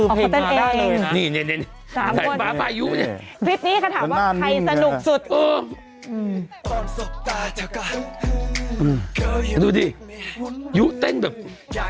เพลงมีมาได้เลยนะ